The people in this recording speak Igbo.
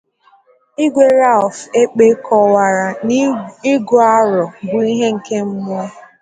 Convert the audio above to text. Igwe Ralph Ekpeh kọwara na Ịgụ Arọ bụ ihe nke mmụọ